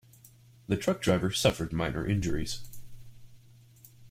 The truck driver suffered minor injuries.